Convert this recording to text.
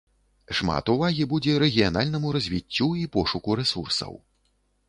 Шмат увагі будзе рэгіянальнаму развіццю і пошуку рэсурсаў.